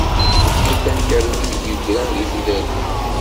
Tiqqit-a n talwit i d-yegran deg tudert-iw.